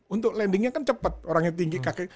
untuk landingnya kan cepat orangnya tinggi kakek